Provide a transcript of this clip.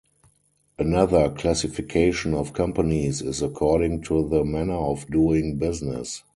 Another classification of companies is according to the manner of doing business.